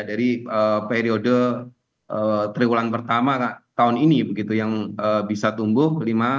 dari periode tribulan pertama tahun ini yang bisa tumbuh lima sebelas